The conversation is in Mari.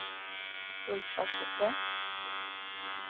Лӱдшаш уке.